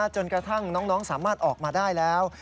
จนกระทั่งน้องสามารถออกมาได้แล้ว